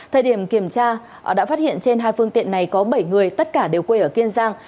thời điểm kiểm tra đã phát hiện trên hai phương tiện này có bảy người tất cả đều quê ở kiên giang